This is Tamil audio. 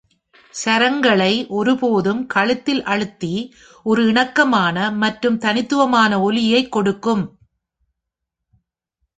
சரங்களை ஒருபோதும் கழுத்தில் அழுத்தி, ஒரு இணக்கமான மற்றும் தனித்துவமான ஒலியைக் கொடுக்கும்.